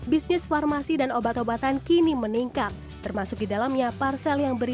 bisnis farmasi dan obat obatan kini menanggung